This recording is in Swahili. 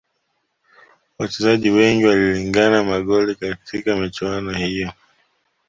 wachezaji wengi walilingangana magoli katika michuano hiyo